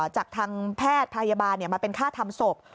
จากทางแพทย์พยาบาลมาเป็นค่าทำศพ